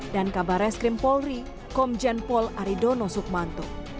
dan kabare skrim polri komjen paul aridono submanto